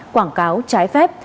quảng cáo trái phép